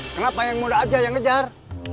kenapa yang muda aja yang ngejar